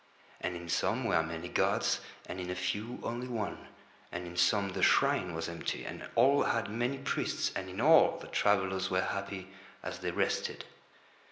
And in some were many gods, and in a few only one, and in some the shrine was empty, and all had many priests, and in all the travellers were happy as they rested.